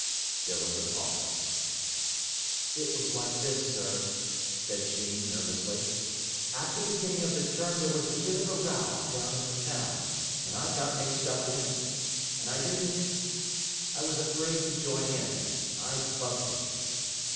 There was a pause. "It was like this, sir," said Sheen nervously. "At the beginning of the term there was a bit of a row down in the town, and I got mixed up in it. And I didn't I was afraid to join in. I funked it."